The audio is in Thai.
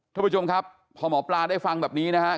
ท่านผู้ชมครับพอหมอปลาได้ฟังแบบนี้นะครับ